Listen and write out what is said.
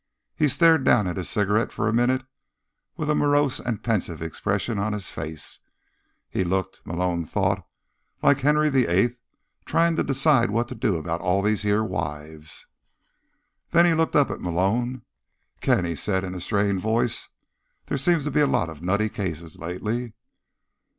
He stared down at his cigarette for a minute with a morose and pensive expression on his face. He looked, Malone thought, like Henry VIII trying to decide what to do about all these here wives. Then he looked up at Malone. "Ken," he said in a strained voice, "there seem to be a lot of nutty cases lately."